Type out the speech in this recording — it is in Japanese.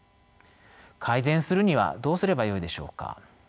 改善するにはどうすればよいでしょうか。